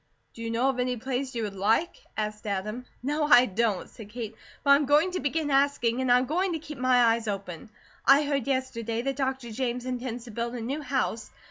"Do you know of any place you would like?" asked Adam. "No, I don't," said Kate, "but I am going to begin asking and I'm going to keep my eyes open. I heard yesterday that Dr. James intends to build a new house.